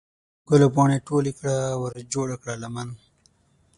د ګلو پاڼې ټولې کړه ورجوړه کړه لمن